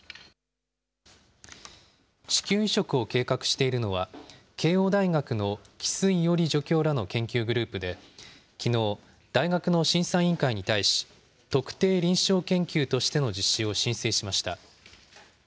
子宮移植を計画しているのは、慶応大学の木須伊織助教らの研究グループで、きのう大学の審査委員会に対し、特定臨床研究としての実施を申請しました。